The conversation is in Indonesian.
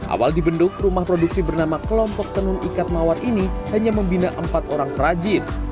awal dibendung rumah produksi bernama kelompok tenun ikat mawar ini hanya membina empat orang perajin